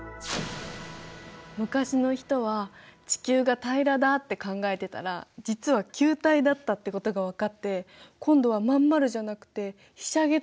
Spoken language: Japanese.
昔の人は地球が平らだって考えてたら実は球体だったってことがわかって今度は真ん丸じゃなくてひしゃげてるだなんて。